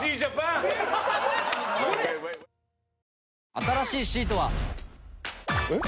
新しいシートは。えっ？